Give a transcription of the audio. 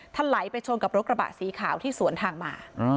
ไหลไปชนกับรถกระบะสีขาวที่สวนทางมา